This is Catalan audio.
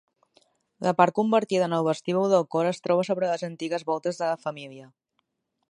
La part convertida en el vestíbul del cor es troba sobre les antigues voltes de la família.